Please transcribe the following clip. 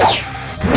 rayus rayus sensa pergi